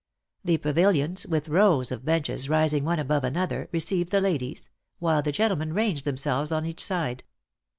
The pavilions, with rows of benches rising one above another, received the ladies, while the gentlemen ranged themselves on each side.